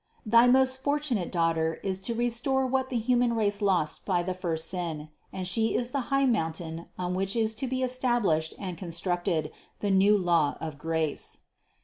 Thy most fortunate Daughter is to restore what the human race lost by the first sin, and She is the high mountain on which is to be established and constructed the new law of grace.